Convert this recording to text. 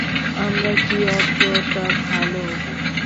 আমরা কি অতটা ভালো?